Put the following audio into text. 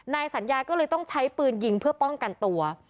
นายสัญญาก็เลยต้องใช้ปืนยิงเพื่อป้องกันตัว